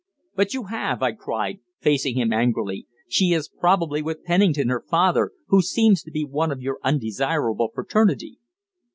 "But you have!" I cried, facing him angrily. "She is probably with Pennington, her father, who seems to be one of your undesirable fraternity."